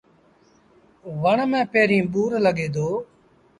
وڻ ميݩ پيريݩ ٻور لڳي دو۔